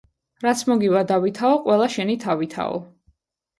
რაც მოგივა დავითაო, ყველა შენი თავითაო